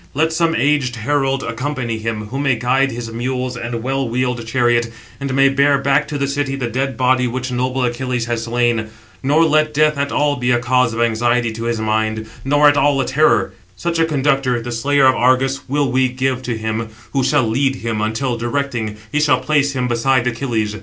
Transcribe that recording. Let some aged herald accompany him, who may guide his mules and well wheeled chariot, and may bear back to the city the dead body which noble Achilles has slain; nor let death at all be a cause of anxiety to his mind, nor at all a terror; such a conductor, the slayer of Argus, will we give to him, who shall lead him, until, directing, he shall place him beside Achilles.